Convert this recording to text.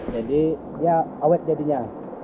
jadi dia awet jadinya